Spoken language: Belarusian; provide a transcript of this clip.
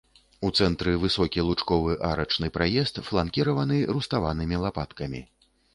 У цэнтры высокі лучковы арачны праезд, фланкіраваны руставанымі лапаткамі.